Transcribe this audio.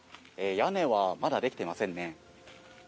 屋根はまだできていませんね。